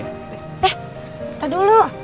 eh nanti dulu